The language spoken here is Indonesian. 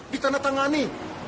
di tanah tangan ini